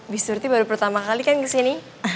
bi surti baru pertama kali kan kesini